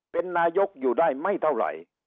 เป็นนายกอยู่ได้ไม่เท่าไหร่